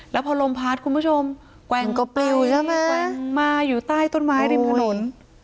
แล้วพอลมพลาดคุณผู้ชมแกว้งมาอยู่ใต้ต้นไม้ริมถนน